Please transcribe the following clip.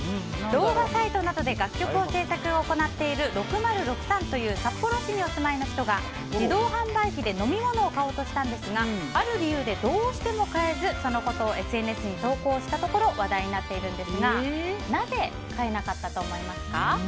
動画サイトなどで楽曲の制作を行っている６０６さんという札幌市にお住いの人が自動販売機で飲み物を買おうとしたんですがある理由でどうしても買えずそのことをＳＮＳに投稿したところ話題になっているんですがなぜ買えなかったと思いますか？